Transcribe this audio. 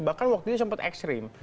bahkan waktu ini sempat ekstrim